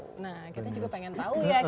nah kita juga pengen tahu ya